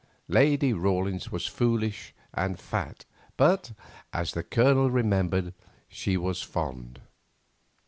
Lady Rawlins was foolish and fat, but, as the Colonel remembered, she was fond.